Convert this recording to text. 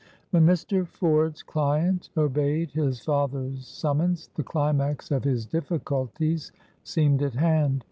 When Mr. Ford's client obeyed his father's summons, the climax of his difficulties seemed at hand.